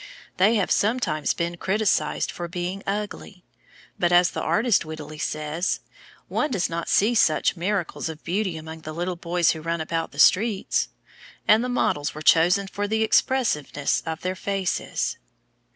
They have sometimes been criticised for being ugly; but as the artist wittily says, "One does not see such miracles of beauty among the little boys who run about the streets," and the models were chosen for the expressiveness of their faces.